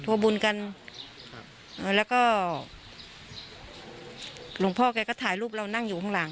บุญกันครับแล้วก็หลวงพ่อแกก็ถ่ายรูปเรานั่งอยู่ข้างหลัง